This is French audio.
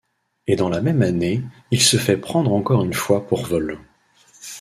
Et dans la même année il se fait prendre encore une fois pour vol.